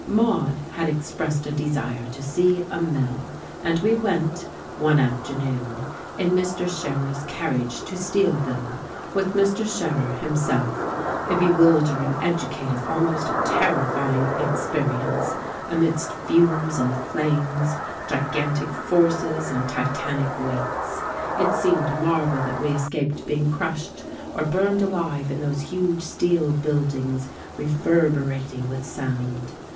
Maude had expressed a desire to see a mill, and we went, one afternoon, in Mr. Scherer's carriage to Steelville, with Mr. Scherer himself, a bewildering, educative, almost terrifying experience amidst fumes and flames, gigantic forces and titanic weights. It seemed a marvel that we escaped being crushed or burned alive in those huge steel buildings reverberating with sound.